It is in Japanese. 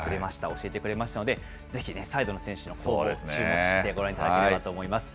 教えてくれましたので、ぜひね、サイドの選手のポジションに注目してご覧いただければと思います。